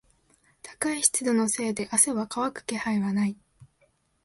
高い湿度のせいで汗は乾く気配はない。